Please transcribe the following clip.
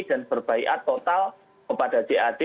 dan berbaikat total kepada jad